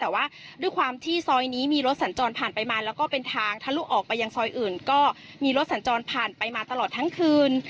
แต่ว่าด้วยความที่ซอยนี้มีรถสัญจรผ่านไปมาแล้วก็เป็นทางทะลุออกไปยังซอยอื่นก็มีรถสัญจรผ่านไปมาตลอดทั้งคืน